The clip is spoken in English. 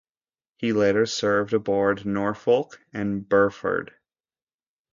He later served aboard "Norfolk", and "Burford".